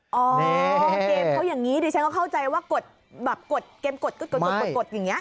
อ๋อเกมเขาอย่างนี้ดิฉันก็เข้าใจว่ากดแบบกดเกมกดอย่างนี้